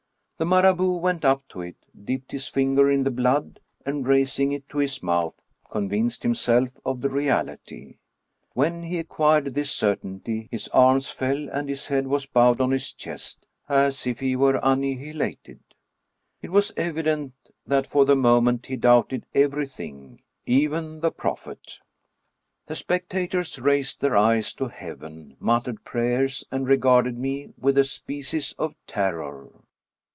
The Marabout went up to it, dipped his finger in the blood, and, raising it to his mouth, convinced himself of the reality. When he acquired this certainty, his arms fell, and his head was bowed on his chest, as if he were anni hilated. It was evident that for the moment he doubted everything, even the Prophet. The spectators raised their eyes to heaven, muttered prayers, and regarded me with a species of terror.